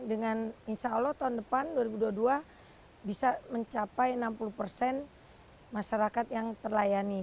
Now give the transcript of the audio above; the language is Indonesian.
dengan insya allah tahun depan dua ribu dua puluh dua bisa mencapai enam puluh persen masyarakat yang terlayani